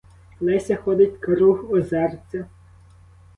Леся ходить круг озерця.